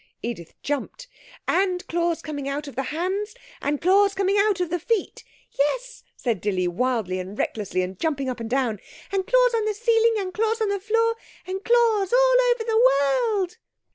Edith jumped. 'And claws coming out of the hands, and claws coming out of the feet!' 'Yes,' said Dilly, wildly and recklessly and jumping up and down, 'and claws on the ceiling, and claws on the floor, and claws all over the world!'